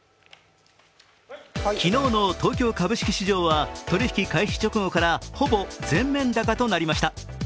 昨日の東京株式市場は取引開始直後からほぼ全面高となりました。